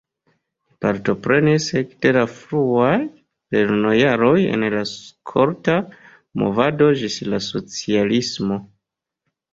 Li partoprenis ekde la fruaj lernojaroj en la skolta movado ĝis la socialismo.